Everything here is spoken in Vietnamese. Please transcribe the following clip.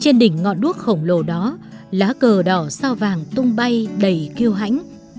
trên đỉnh ngọn đuốc khổng lồ đó lá cờ đỏ sao vàng tung bay đầy kêu hãnh